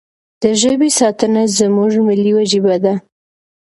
د ژبې ساتنه زموږ ملي وجیبه ده.